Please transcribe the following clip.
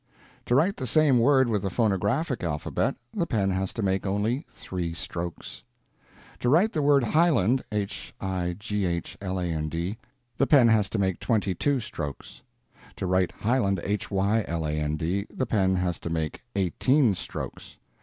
To write the same word with the phonographic alphabet, the pen has to make only _three _strokes. To write the word "highland," the pen has to make twenty two strokes. To write "hyland," the pen has to make eighteen strokes.